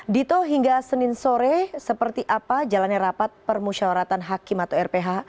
dito hingga senin sore seperti apa jalannya rapat permusyawaratan hakim atau rph